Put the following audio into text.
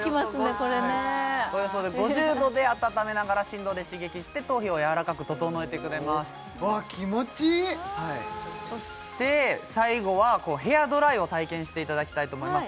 これね５０度で温めながら振動で刺激して頭皮をやわらかく整えてくれますわ気持ちいいそして最後はヘアドライを体験していただきたいと思います